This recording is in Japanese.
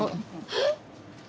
えっ？